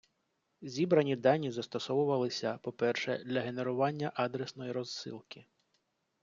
Зібрані дані застосовувалися, по - перше, для генерування адресної розсилки.